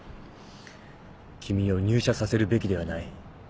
君を入社させるべきではない。